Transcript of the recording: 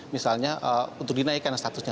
misalnya untuk dinaikkan statusnya